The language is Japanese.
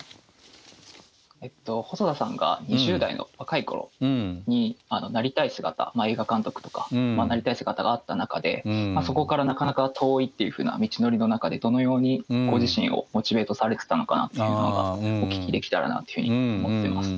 細田さんが２０代の若い頃になりたい姿映画監督とかなりたい姿があった中でそこからなかなか遠いっていうふうな道のりの中でどのようにご自身をモチベートされてたのかなっていうのがお聞きできたらなっていうふうに思ってます。